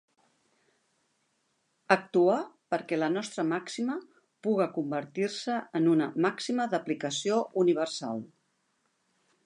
Actuar perquè la nostra màxima puga convertir-se en una màxima d'aplicació universal.